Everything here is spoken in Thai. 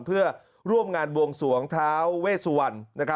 เพื่อร่วมงานบวงสู่องค์เท้าเวสวร์น